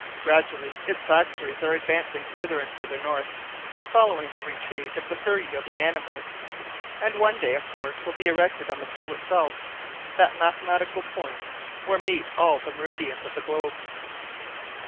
Gradually its factories are advancing further and further north, following the retreat of the fur yielding animals; and one day a fort will be erected on the Pole itself, that mathematical point where meet all the meridians of the globe."